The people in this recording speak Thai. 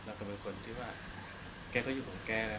แล้วก็เป็นคนที่ว่าแกก็อยู่ของแกแล้ว